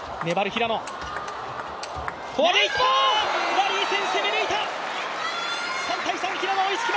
ラリー戦、攻め抜いた！